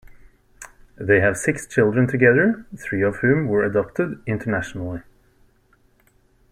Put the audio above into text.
They have six children together, three of whom were adopted internationally.